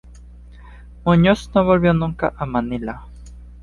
Muñoz no volvió nunca a Manila.